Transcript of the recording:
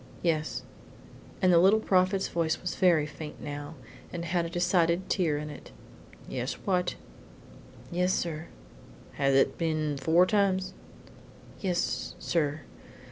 "Yes," and the Little Prophet's voice was very faint now, and had a decided tear in it. "Yes what?" "Yes, sir." "Has it be'n four times?" "Y es, sir."